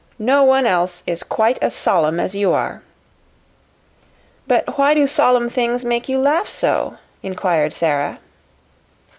No one else is as solemn as you are." "But why do solemn things make you laugh so?" inquired Sara.